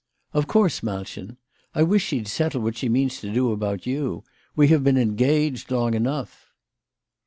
" Of course, Malchen, I wish she'd settle what she means to do about you. We have been engaged long enough."